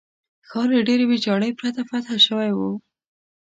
ښار له ډېرې ویجاړۍ پرته فتح شوی وو.